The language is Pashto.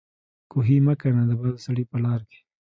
کوهي مه کنه د بل سړي په لار کې